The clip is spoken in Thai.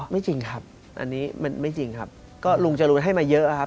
ไม่จริงครับอันนี้มันไม่จริงครับก็ลุงจรูนให้มาเยอะครับ